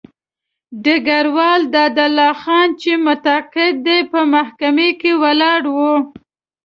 ډګروال دادالله خان چې متقاعد دی په محکمه کې ولاړ وو.